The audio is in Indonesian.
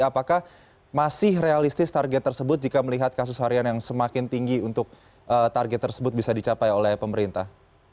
apakah masih realistis target tersebut jika melihat kasus harian yang semakin tinggi untuk target tersebut bisa dicapai oleh pemerintah